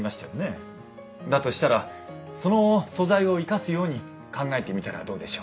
だとしたらその素材を生かすように考えてみたらどうでしょう？